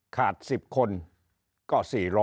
ขาด๑๐คนก็๔๐๐